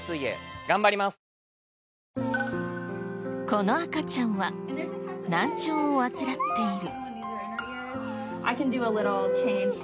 この赤ちゃんは難聴を患っている。